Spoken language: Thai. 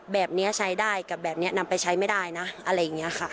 แบบนี้ใช้ได้กับแบบนี้นำไปใช้ไม่ได้นะอะไรอย่างนี้ค่ะ